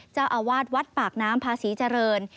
เจ้าอาวาสวัดปากน้ำพาศรีเจริญ